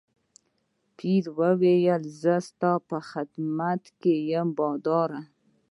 پیري وویل زه ستا په خدمت کې یم باداره.